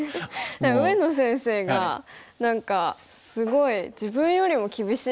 上野先生が何かすごい自分よりも厳しいっておっしゃって。